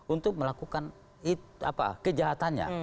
untuk melakukan kejahatan